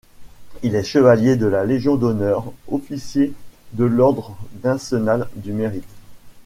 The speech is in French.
Il est chevalier de la Légion d'Honneur, officier de l'Ordre national du Mérite.